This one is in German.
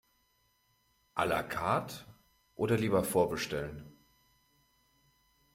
A la carte oder lieber vorbestellen?